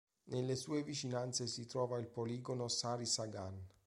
Nelle sue vicinanze si trova il poligono Sary-Šagan.